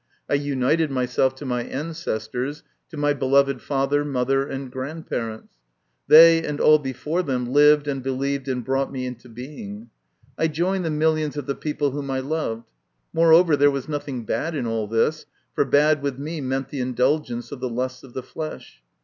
I united myself to my ancestors, to my beloved father, mother, and grandparents. They and all before them lived, and believed, and brought me into being. I joined the millions of the people whom I loved. Moreover, there was nothing bad in all this, for bad with me meant the indulgence of the lusts of the flesh.